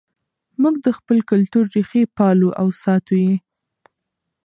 موږ د خپل کلتور ریښې پالو او ساتو یې.